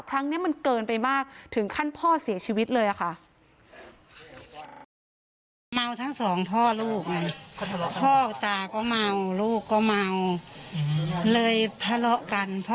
ครั้งนี้มันเกินไปมากถึงขั้นพ่อเสียชีวิตเลยค่ะ